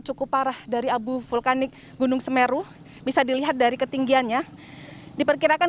cukup parah dari abu vulkanik gunung semeru bisa dilihat dari ketinggiannya diperkirakan